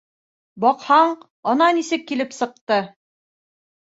Баҡһаң, ана нисек килеп сыҡты.